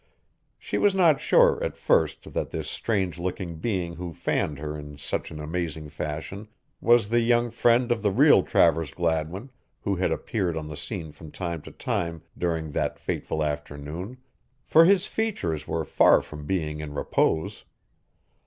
She was not sure at first that this strange looking being who fanned her in such an amazing fashion was the young friend of the real Travers Gladwin who had appeared on the scene from time to time during that fateful afternoon, for his features were far from being in repose.